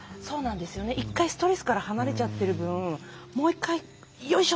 １回ストレスから離れちゃっている分もう１回よいしょ！